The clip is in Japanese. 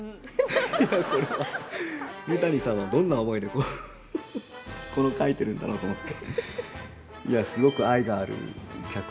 いや、これは三谷さんはどんな思いでこれ書いてるんだろうと思って。